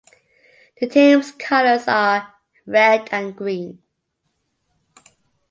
The team's colours are red and green.